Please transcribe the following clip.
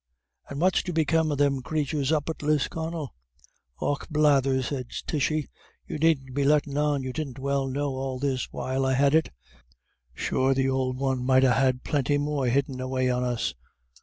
And what's to become of them crathurs up at Lisconnel?' 'Och blathers,' sez Tishy, 'you needn't be lettin' on you didn't well know all this while I had it. Sure th'ould one might ha' plinty more hidden away on us.